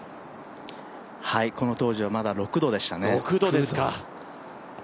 この当時は、まだ６度でしたね。